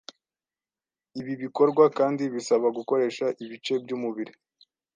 Ibi bikorwa kandi bisaba gukoresha ibice by’umubiri